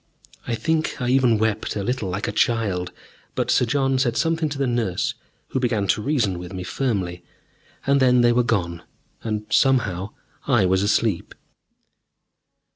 I think I even wept a little, like a child, but Sir John said something to the nurse, who began to reason with me firmly, and then they were gone, and somehow I was asleep....